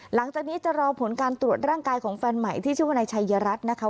หลังจากนี้จะรอผลการตรวจร่างกายของแฟนใหม่ที่ชื่อว่านายชัยยรัฐนะคะ